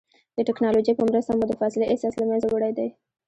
د ټکنالوجۍ په مرسته مو د فاصلې احساس له منځه وړی دی.